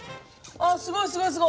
あすごいすごいすごい。